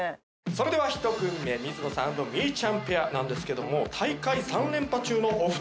それでは１組目水野さん＆みーちゃんペアなんですけども大会３連覇中のお二人ですけども。